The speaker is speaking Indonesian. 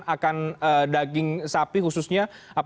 akan daging sapi khususnya